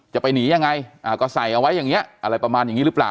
จะไปหนียังไงก็ใส่เอาไว้อย่างนี้อะไรประมาณอย่างนี้หรือเปล่า